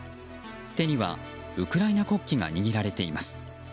手にはウクライナ国旗が握られています。